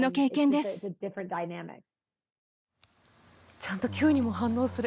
ちゃんとキューにも反応する。